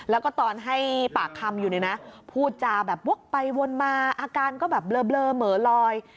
แล้วก็ตอนให้ปากคำอยู่เนี่ยนะพูดจาแบบวกไปวนมาอาการก็แบบเบลอเหมอลอย